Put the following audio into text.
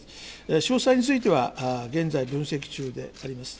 詳細については、現在、分析中であります。